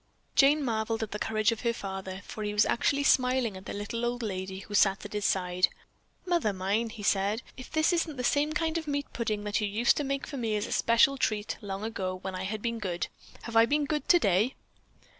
Jane marveled at the courage of her father, for he was actually smiling at the little old lady who sat at his side. "Mother mine," he said, "if this isn't the same kind of a meat pudding that you used to make for me as a special treat, long ago, when I had been good. Have I been good today?"